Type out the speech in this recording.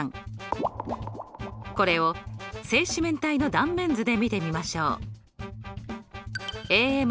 これを正四面体の断面図で見てみましょう。